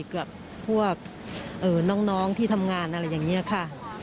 กับพวกน้องที่ทำงานอะไรอย่างนี้ค่ะ